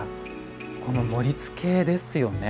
この盛りつけですよね。